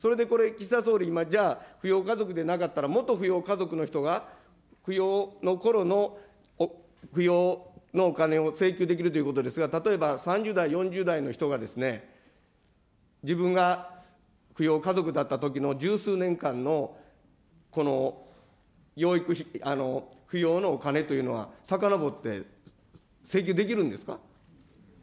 それでこれで岸田総理、扶養家族でなかったら元扶養家族の方が扶養のころの、扶養のお金を請求できるということですが、例えば３０代、４０代の人が、自分が扶養家族だったときの十数年間のこの養育費、扶養のお金というのは、さかのぼって請求できるんですか。